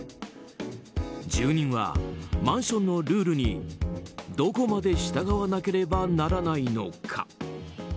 住人は、マンションのルールにどこまで従わなければならないのか。